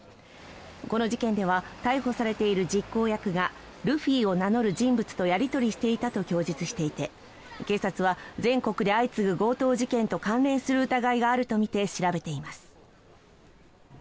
この事件では逮捕されている実行役がルフィを名乗る人物とやり取りしていたと供述していて警察は全国で相次ぐ強盗事件と関連する疑いがあるとみて調べています。